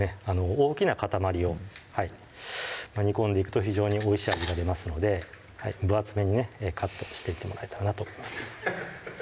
大きな塊を煮込んでいくと非常においしい味が出ますので分厚めにねカットしていってもらえたらなと思います